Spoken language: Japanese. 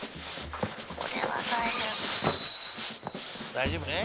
大丈夫ね？